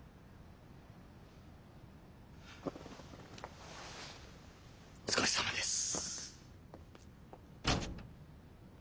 お疲れさまです。